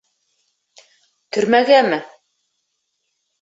Төрмәгәме?